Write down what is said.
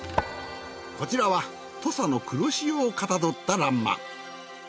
こちらは土佐の黒潮をかたどった欄間。